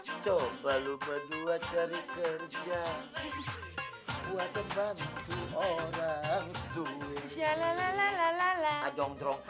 iya lu berdua pada main aja coba lu berdua cari kemana iya lu berdua pada main aja coba lu berdua cari kemana